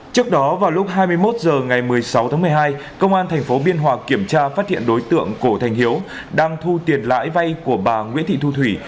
trước đó vào lúc hai mươi một h ngày một mươi sáu tháng một mươi hai công an tp biên hòa kiểm tra phát hiện đối tượng cổ thành hiếu đang thu tiền lãi vay của bà nguyễn thị thu thủy